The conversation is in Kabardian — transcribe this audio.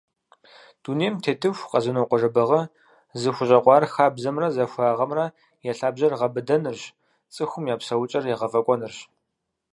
Дунейм тетыху, Къэзэнокъуэ Жэбагъы зыхущӏэкъуар хабзэмрэ захуагъэмрэ я лъабжьэр гъэбыдэнырщ, цӏыхум я псэукӏэр егъэфӏэкӏуэнырщ.